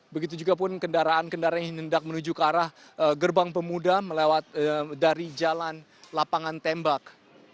begitu juga pun kendaraan kendaraan yang hendak menuju ke arah gerbang pemuda dari jalan lapangan tembak